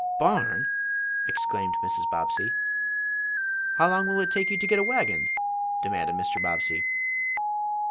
"Barn!" exclaimed Mrs. Bobbsey. "How long will it take you to get a wagon?" demanded Mr. Bobbsey.